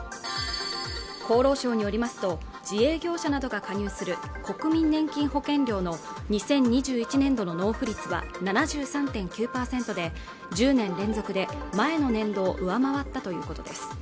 厚労省によりますと自営業者などが加入する国民年金保険料の２０２１年度の納付率は７３．９％で１０年連続で前の年度を上回ったということです